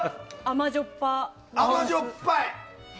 甘じょっぱい！